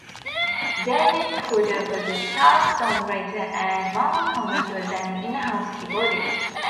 David Porter was a staff songwriter and Marvell Thomas was an in-house keyboardist.